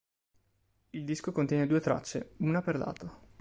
Il disco contiene due tracce, una per lato.